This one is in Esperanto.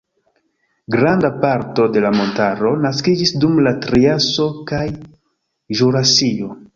Granda parto de la montaro naskiĝis dum la triaso kaj ĵurasio.